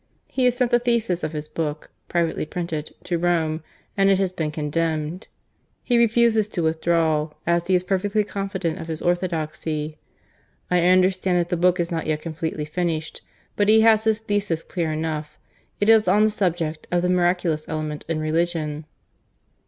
He has sent the thesis of his book, privately printed, to Rome, and it has been condemned. He refuses to withdraw, as he is perfectly confident of his orthodoxy. I understand that the book is not yet completely finished, but he has his thesis clear enough. It is on the subject of the miraculous element in religion."